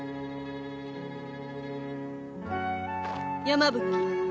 山吹。